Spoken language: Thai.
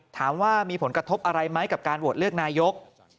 ถามว่ามีผลกระทบอะไรไหมกับการโหวตเลือกนายก